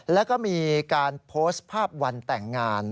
แล้วก็มีการโพสต์ภาพวันแต่งงาน